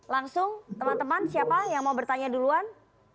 langsung teman teman siapa yang mau bertanya duluan